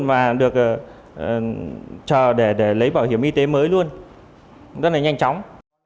và được cho để lấy bảo hiểm y tế mới luôn rất là nhanh chóng